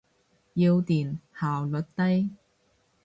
要電，效率低。